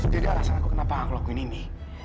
jadi alasan aku kenapa aku ngelakuin ini